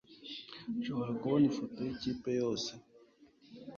Nshobora kubona ifoto yikipe yose?